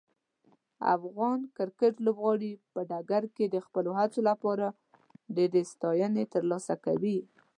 افغان کرکټ لوبغاړي په ډګر کې د خپلو هڅو لپاره ډیرې ستاینې ترلاسه کوي.